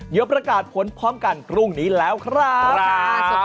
เดี๋ยวประกาศผลพร้อมกันพรุ่งนี้แล้วครับ